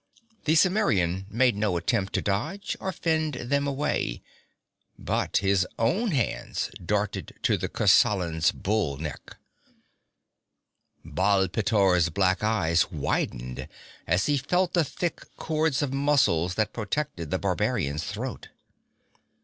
The Cimmerian made no attempt to dodge or fend them away, but his own hands darted to the Kosalan's bull neck. Baal pteor's black eyes widened as he felt the thick cords of muscles that protected the barbarian's throat.